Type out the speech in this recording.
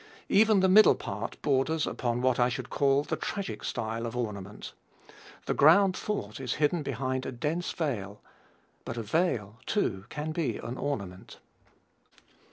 Even the middle part borders upon what I should call the tragic style of ornament. The ground thought is hidden behind a dense veil, but a veil, too, can be an ornament."